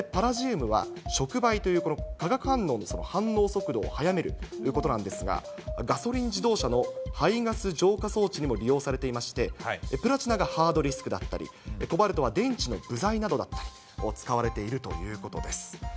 そしてパラジウムは触媒という化学反応の反応速度を早めるということなんですが、ガソリン自動車の排ガス浄化装置にも利用されていまして、プラチナがハードディスクだったり、コバルトは電池の部材などに使われているということです。